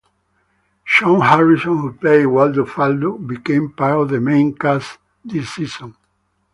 Shawn Harrison who played Waldo Faldo became part of the main cast this season.